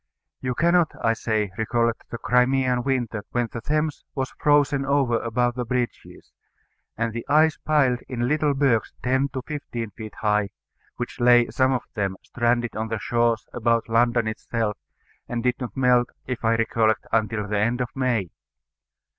You cannot, I say, recollect the Crimean Winter, when the Thames was frozen over above the bridges, and the ice piled in little bergs ten to fifteen feet high, which lay, some of them, stranded on the shores, about London itself, and did not melt, if I recollect, until the end of May.